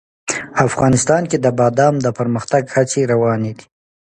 افغانستان کې د بادام د پرمختګ هڅې روانې دي.